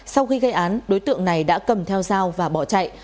sau khi gây án đối tượng này đã cầm theo dao và bỏ chạy